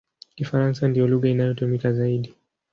Kifaransa ndiyo lugha inayotumika zaidi.